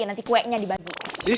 nanti kuenya dibagi